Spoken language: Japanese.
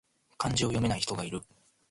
漢字を読めない人がいる